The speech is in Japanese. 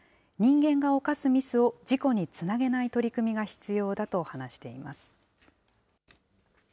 人間が犯すミスを事故につなげない取り組みが必要だと話しています。